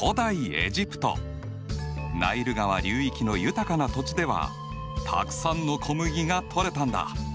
ナイル川流域の豊かな土地ではたくさんの小麦がとれたんだ。